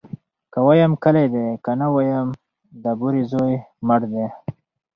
ـ که وايم کلى دى ، که نه وايم د بورې زوى مړى دى.